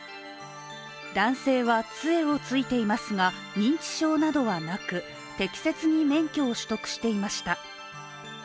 男性はつえをついていますが、認知症などはなく、適切に免許を取得していました。